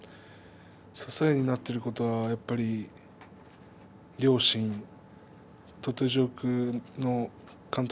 支えになっていることはやっぱり両親、鳥取城北の監督